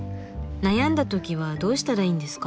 悩んだ時はどうしたらいいんですか？